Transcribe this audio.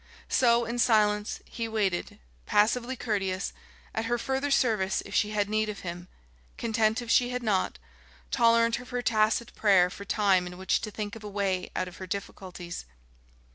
So, in silence, he waited, passively courteous, at her further service if she had need of him, content if she had not, tolerant of her tacit prayer for time in which to think a way out of her difficulties.